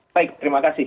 baik terima kasih